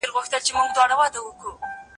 زه به اوږده موده د ښوونځی لپاره امادګي نيولی وم.